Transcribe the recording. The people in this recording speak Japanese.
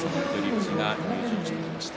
富士が入場してきました。